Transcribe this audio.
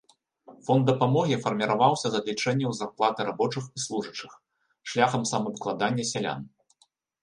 Фонд дапамогі фарміраваўся з адлічэнняў з зарплаты рабочых і служачых, шляхам самаабкладання сялян.